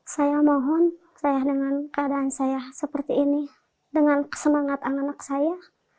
saya mohon saya dengan keadaan saya seperti ini dengan semangat anak anak saya